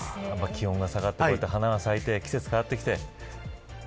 気温が下がって花が咲いて季節変わってきて。